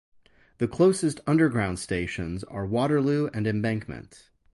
The closest Underground stations are Waterloo and Embankment.